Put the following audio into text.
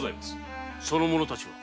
その者たちは？